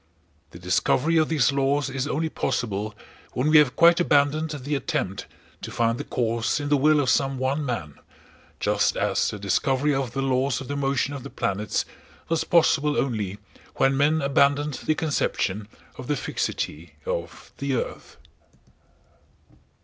The discovery of these laws is only possible when we have quite abandoned the attempt to find the cause in the will of some one man, just as the discovery of the laws of the motion of the planets was possible only when men abandoned the conception of the fixity of the earth.